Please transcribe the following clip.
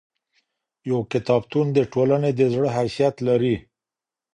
يو کتابتون د ټولني د زړه حيثيت لري.